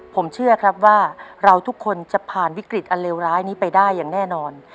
ผมเชื่อครับว่าเราทุกคนจะผ่านวิกฤตอันเลวร้ายนี้ไปได้อย่างแน่นอน